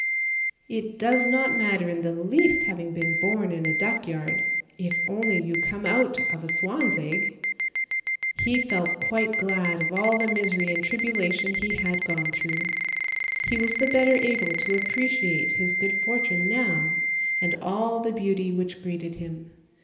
It does not matter in the least having been born in a duckyard, if only you come out of a swan's egg ! He felt quite glad of all the misery and tribulation he had gone through; he was the better able to appreciate his good fortune now, and all the beauty which greeted him.